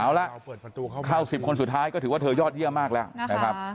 เอาละเข้า๑๐คนสุดท้ายก็ถือว่าเธอยอดเยี่ยมมากแล้วนะครับ